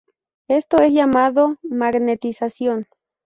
Esto es llamado magnetización.